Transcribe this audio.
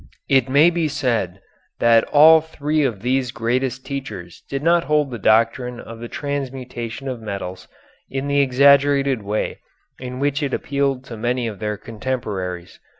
It may be said that all three of these greatest teachers did not hold the doctrine of the transmutation of metals in the exaggerated way in which it appealed to many of their contemporaries.